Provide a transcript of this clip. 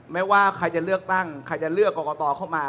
ไม่ว่าใครจะเลือกตั้งใครจะเลือกกรกตเข้ามา